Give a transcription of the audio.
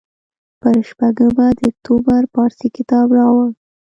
پر شپږمه د اکتوبر پارسي کتاب راوړ.